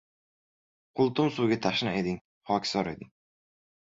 qultum suvga tashna eding, xokisor eding.